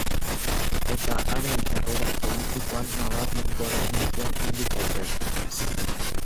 Eta haren karrera politikoak nabarmen gora egin zuen handik aurrera.